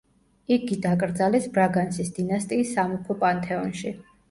იგი დაკრძალეს ბრაგანსის დინასტიის სამეფო პანთეონში.